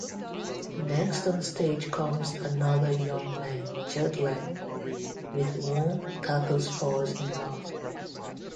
Next on stage comes another young man, Jodelet, with whom Cathos falls in love.